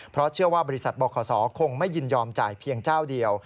เพราะเชื่อว่าบริษัทบขคงไม่ยินยอมจ่ายเพียงเจ้าเดียว